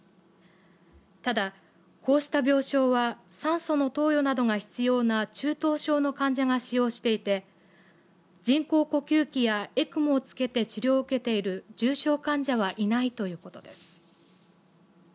ただ、こうした病床は酸素の投与などが必要な中等症の患者が使用していて人工呼吸器やＥＣＭＯをつけて治療を受けている重症患者はいないということです。